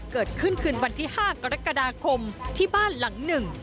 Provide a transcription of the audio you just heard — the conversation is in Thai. เกิดขึ้นคืนวันที่๕กรกฎาคมที่บ้านหลังหนึ่ง